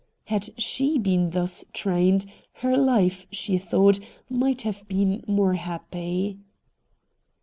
Had she been thus trained, her hfe, she thought, might have been more happy.